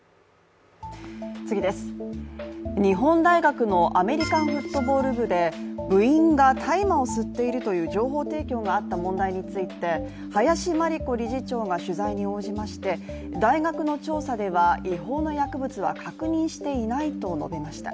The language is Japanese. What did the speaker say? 日本大学のアメリカンフットボール部で部員が大麻を吸っているという情報提供があった問題について林真理子理事長が取材に応じまして、大学の調査では違法な薬物は確認していないと述べました。